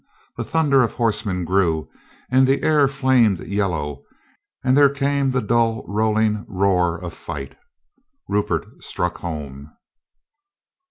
The thunder of horsemen grew and the air flamed yellow, and there came the dull rolling roar of fight. Rupert struck home.